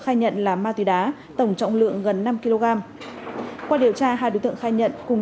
khai nhận là ma túy đá tổng trọng lượng gần năm kg qua điều tra hai đối tượng khai nhận cùng